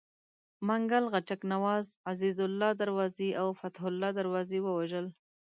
منګل غچک نواز، عزیزالله دروازي او فتح الله دروازي ووژل.